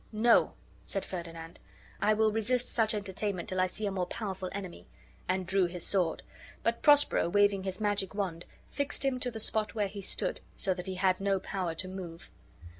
"No," said Ferdinand, "I will resist such entertainment till I see a more powerful enemy," and drew his sword; but Prospero, waving his magic wand, fixed him to the spot where he stood, so that he had no power to move.